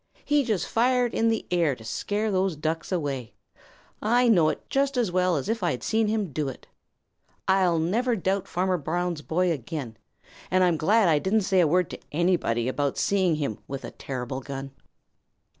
He just fired in the air to scare those Ducks away. I know it just as well as if I had seen him do it. I'll never doubt Farmer Brown's boy again. And I'm glad I didn't say a word to anybody about seeing him with a terrible gun."